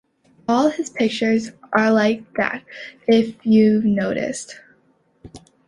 All His pictures are like that, if you’ve noticed.